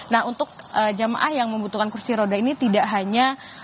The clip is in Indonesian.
nah untuk jemaah yang membutuhkan kursi roda ini tidak hanya